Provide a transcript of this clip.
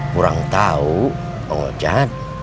kurang tahu mengocet